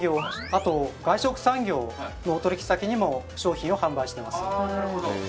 あと外食産業のお取引先にも商品を販売してます